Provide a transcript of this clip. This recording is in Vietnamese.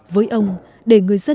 với ông để người dân